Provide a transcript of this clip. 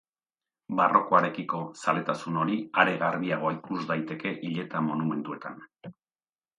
Barrokoarekiko zaletasun hori are garbiago ikus daiteke hileta-monumentuetan.